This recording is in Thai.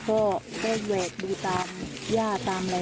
ก็บอกให้กายเย็บดีหน่อย